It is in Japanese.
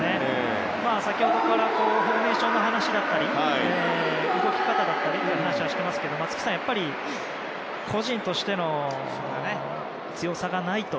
先ほどからフォーメーションの話や動き方だったりの話はしていますけども松木さん、やっぱり個人としての強さがないと